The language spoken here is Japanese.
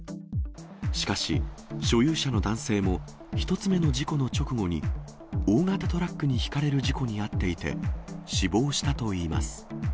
しかし、所有者の男性も１つ目の事故の直後に、大型トラックにひかれる事故に遭っていて、死亡したといいます。